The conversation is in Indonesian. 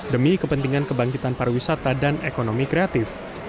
demi kepentingan kebangkitan pariwisata dan ekonomi kreatif